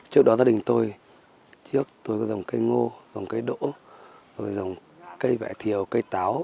trước đó gia đình tôi trước tôi có dòng cây ngô dòng cây đỗ dòng cây vẽ thiều cây táo